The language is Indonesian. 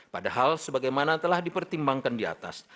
padahal sebagaimana telah dipertimbangkan di atas